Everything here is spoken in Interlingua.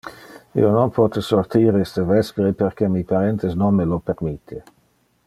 Io non pote sortir iste vespere perque mi parentes non me lo permitte.